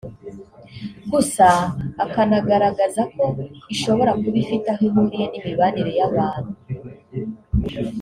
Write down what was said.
gusa akanagaragaza ko ishobora kuba ifite aho ihuriye n’imibanire y’abantu